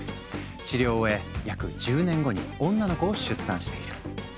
治療を終え約１０年後に女の子を出産している。